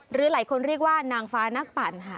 หรือหลายคนเรียกว่านางฟ้านักปั่นค่ะ